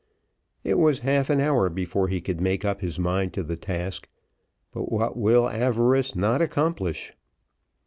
It was half an hour before he could make up his mind to the task! but what will avarice not accomplish!